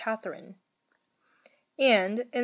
Catherine. And in S.